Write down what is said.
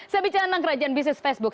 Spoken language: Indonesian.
saya bicara tentang kerajaan bisnis facebook